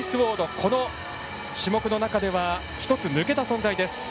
この種目の中では１つ抜けた存在です。